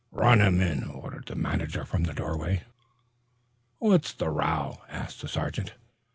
"Run him in!" ordered the manager from the doorway. "What's the row?" asked the sergeant.